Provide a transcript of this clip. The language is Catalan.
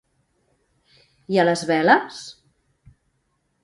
I a les veles?